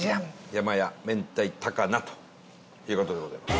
やまや明太高菜という事でございます。